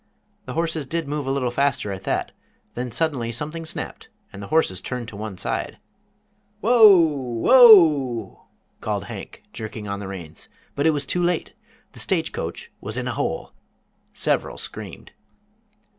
The horses did move a little faster at that, then suddenly something snapped and the horses turned to one side. "Whoa! Whoa!" called Hank, jerking on the reins. But it was too late! The stage coach was in a hole! Several screamed.